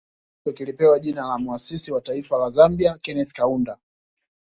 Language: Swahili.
Kilele cha mwisho kilipewa jina la Muasisi wa Taifa la Zambia Kenneth Kaunda